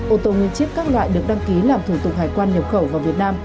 ô tô nguyên chiếc các loại được đăng ký làm thủ tục hải quan nhập khẩu vào việt nam